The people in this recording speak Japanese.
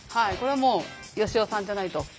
これはもうよしおさんじゃないと。